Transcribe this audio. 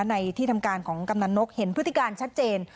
ในที่ทำการของกำนันนกเห็นพฤติการชัดเจน